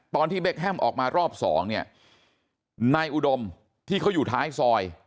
ตอนที่เบคแฮมออกมารอบสองเนี่ยนายอุดมที่เขาอยู่ท้ายซอย